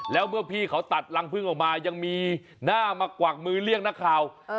แล้วเมื่อพี่เขาตัดรังพึ่งออกมายังมีหน้ามากวักมือเรียกนักข่าว